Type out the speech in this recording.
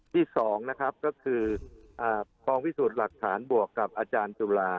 ที่สองคือกลองวิสูจน์หลักฐานบวกกับอาจารย์จุรา